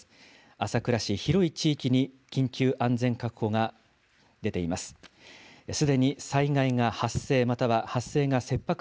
朝倉市、広い地域に緊急安全確保が出ています。